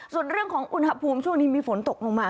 ส่วนเรื่องของอุณหภูมิช่วงนี้มีฝนตกลงมา